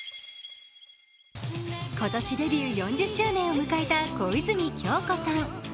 今年デビュー４０周年を迎えた小泉今日子さん。